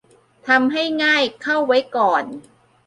ทำให้ง่ายเข้าไว้ก่อน